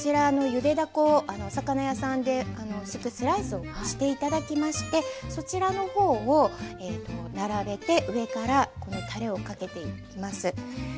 ゆでだこをお魚屋さんで薄くスライスをして頂きましてそちらの方を並べて上からこのたれをかけていきます。